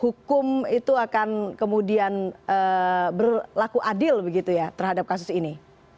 hukum itu akan kemudian berlaku adil begitu ya terhadap kasus ini